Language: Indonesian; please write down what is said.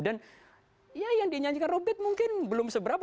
dan yang dinyanyikan robert mungkin belum seberapa